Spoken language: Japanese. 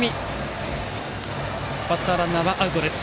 バッター、ランナーはアウトです。